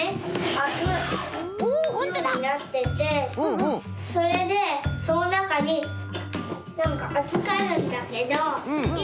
あくようになっててそれでそのなかになんかあずかるんだけどい